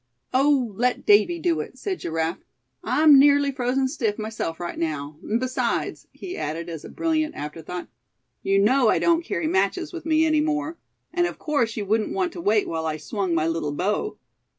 "Oh! let Davy do it," said Giraffe; "I'm nearly frozen stiff myself right now; and besides," he added as a brilliant after thought, "you know I don't carry matches with me any more. And of course you wouldn't want to wait while I swung my little bow."